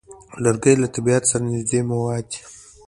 لرګی له طبیعت سره نږدې مواد دي.